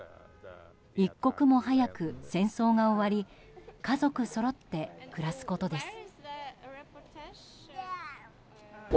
一刻も早く戦争が終わり家族そろって暮らすことです。